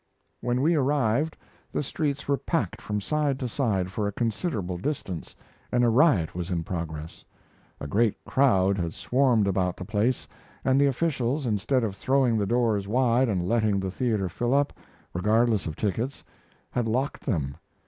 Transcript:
When we arrived the streets were packed from side to side for a considerable distance and a riot was in progress. A great crowd had swarmed about the place, and the officials, instead of throwing the doors wide and letting the theater fill up, regardless of tickets, had locked them.